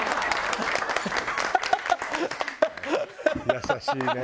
優しいね。